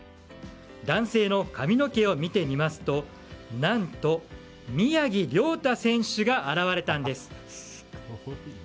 男性の髪の毛を見てみますと何と宮城リョータ選手が現れたんです。